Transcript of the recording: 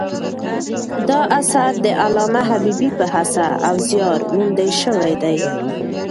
دا اثر د علامه حبیبي په هڅه او زیار مونده سوی دﺉ.